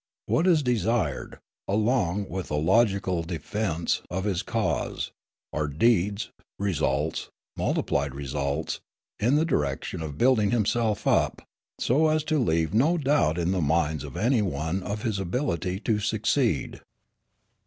What is desired, along with a logical defence of his cause, are deeds, results, multiplied results, in the direction of building himself up, so as to leave no doubt in the minds of any one of his ability to succeed.